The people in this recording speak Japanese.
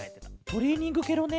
トレーニングケロね。